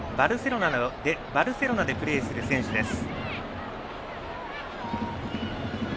バルセロナでプレーする選手です。